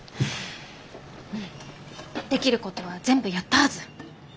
うんできることは全部やったはず。